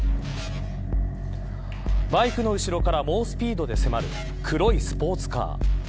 バイクの後ろから猛スピード迫る黒いスポーツカー。